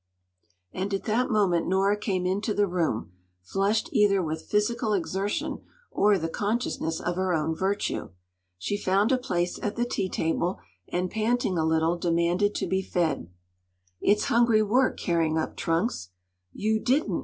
And at that moment Nora came into the room, flushed either with physical exertion, or the consciousness of her own virtue. She found a place at the tea table, and panting a little demanded to be fed. “It’s hungry work, carrying up trunks!” “You didn’t!